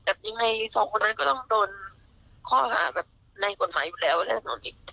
แบบยังไง๒คนหน้าก็ต้องโดนข้อหาแบบในกฎหมายอยู่แล้วแล้วแบบนู้นอีก